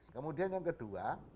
kemudian yang kedua